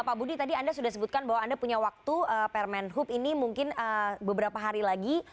pak budi tadi anda sudah sebutkan bahwa anda punya waktu permen hub ini mungkin beberapa hari lagi